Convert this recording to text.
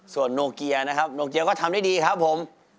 ส่วนโนเกียนะครับโนเกียก็ทำได้ดีครับผม